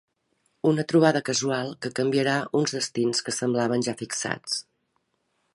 Una trobada casual que canviarà uns destins que semblaven ja fixats.